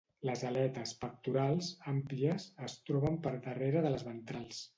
Les aletes pectorals, àmplies, es troben per darrere de les ventrals.